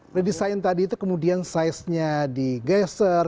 meredesain tadi itu kemudian saiznya digeser